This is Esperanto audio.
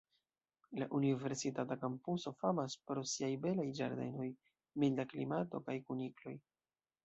La universitata kampuso famas pro siaj belaj ĝardenoj, milda klimato kaj kunikloj.